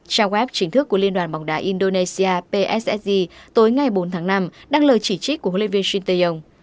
trang web chính thức của liên đoàn bóng đá indonesia psse tối ngày bốn tháng năm đăng lời chỉ trích của huấn luyện viên shin taeyong